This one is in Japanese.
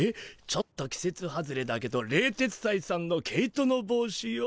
「ちょっときせつ外れだけど冷徹斎さんの毛糸の帽子よ」？